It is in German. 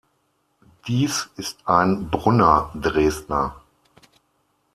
Dies ist ein Brunner-Dresdner.